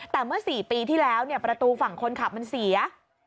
แต่เมื่อ๔ปีที่แล้วประตูฝั่งคนขับมันเสีย